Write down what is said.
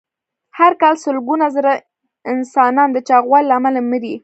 هر کال سلګونه زره انسانان د چاغوالي له امله مري.